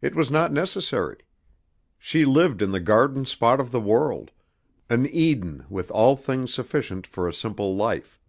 It was not necessary. She lived in the garden spot of the world, an Eden with all things sufficient for a simple life.